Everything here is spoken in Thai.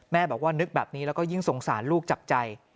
แม่บอกว่านึกแบบนี้แล้วก็ยิ่งสงสารลูกจับใจ